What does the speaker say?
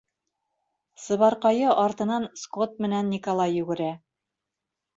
Сыбарҡайы артынан Скотт менән Николай йүгерә.